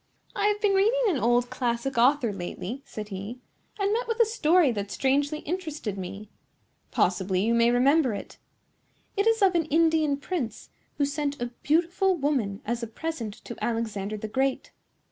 "I have been reading an old classic author lately," said he, "and met with a story that strangely interested me. Possibly you may remember it. It is of an Indian prince, who sent a beautiful woman as a present to Alexander the Great.